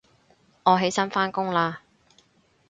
我起身返工喇